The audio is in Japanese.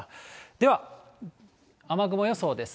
では、雨雲予想です。